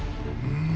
うん！